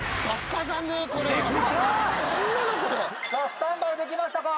スタンバイできましたか？